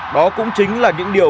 đó cũng chính là những điều